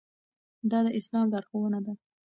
دا د اسلام لارښوونه ده.